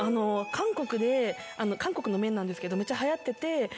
韓国の麺なんですけどめっちゃはやってて。